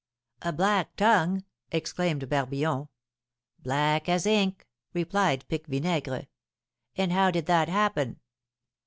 "A black tongue!" exclaimed Barbillon. "Black as ink!" replied Pique Vinaigre. "And how did that happen?"